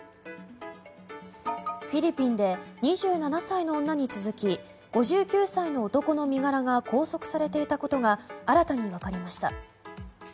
フィリピンで２７歳の女に続き５９歳の男の身柄が拘束されていたことが新たに分かりました。